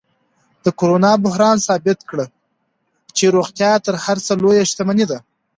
د کرونا بحران ثابت کړه چې روغتیا تر هر څه لویه شتمني ده.